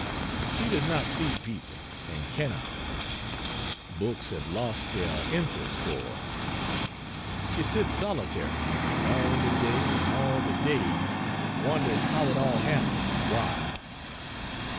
She does not see people, and cannot; books have lost their interest for her. She sits solitary; and all the day, and all the days, wonders how it all happened, and why.